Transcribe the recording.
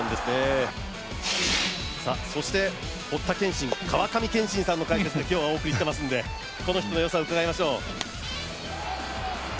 そして、堀田賢慎、川上憲伸さんの解説で今日はお送りしてますのでこの人の良さお聞きしましょう。